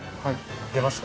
出ました？